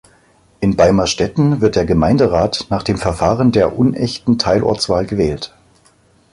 In Beimerstetten wird der Gemeinderat nach dem Verfahren der unechten Teilortswahl gewählt.